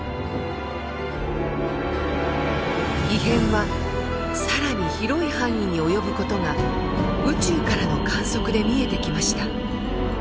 異変は更に広い範囲に及ぶ事が宇宙からの観測で見えてきました。